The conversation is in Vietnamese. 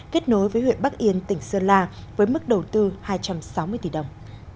kết nối với huyện bắc yên tỉnh sơn la với mức đầu tư hai trăm sáu mươi tỷ đồng